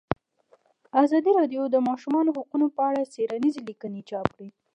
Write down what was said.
ازادي راډیو د د ماشومانو حقونه په اړه څېړنیزې لیکنې چاپ کړي.